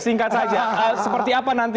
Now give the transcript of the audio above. singkat saja seperti apa nanti